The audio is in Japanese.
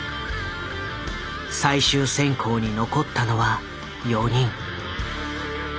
最終選考に残ったのは４人。